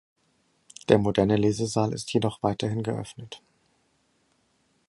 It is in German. Der moderne Lesesaal ist jedoch weiterhin geöffnet.